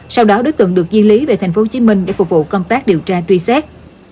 sau đó đối tượng được ghi lý về tp hcm để phục vụ công tác điều tra truy sát